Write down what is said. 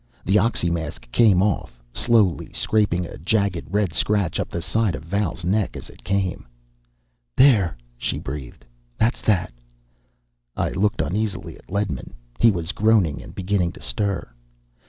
The oxymask came off, slowly, scraping a jagged red scratch up the side of Val's neck as it came. "There," she breathed. "That's that." I looked uneasily at Ledman. He was groaning and beginning to stir.